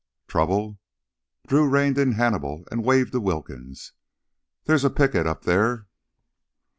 "Trouble!" Drew reined in Hannibal and waved to Wilkins. "There's a picket up there...."